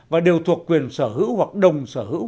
và đều thuộc quyền sở hữu hoặc đồng sở hữu